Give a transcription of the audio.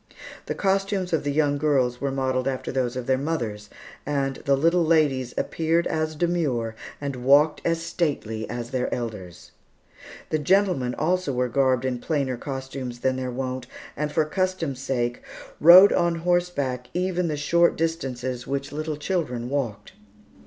The costumes of the young girls were modelled after those of their mothers; and the little ladies appeared as demure and walked as stately as their elders. The gentlemen also were garbed in plainer costumes than their wont, and, for custom's sake, rode on horseback even the short distances which little children walked.